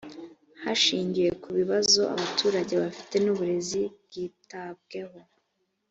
hashingiwe ku bibazo abaturage bafite n’uburezi bwitabweho